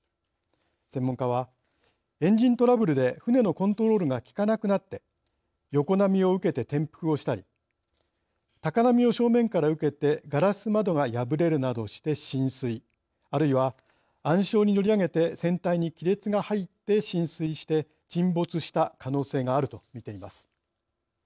専門家はエンジントラブルで船のコントロールが効かなくなって横波を受けて転覆をしたり高波を正面から受けてガラス窓が破れるなどして浸水あるいは暗礁に乗り上げて船体に亀裂が入って浸水して沈没した可能性があると見ています。